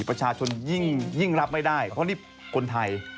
ประชาชนยิ่งรับไม่ได้เพราะนี่คนไทย